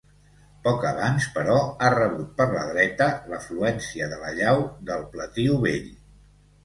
Poc abans, però, ha rebut per la dreta l'afluència de la llau del Pletiu Vell.